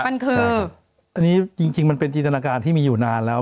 มันคืออันนี้จริงมันเป็นจินตนาการที่มีอยู่นานแล้ว